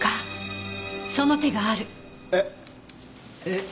えっ？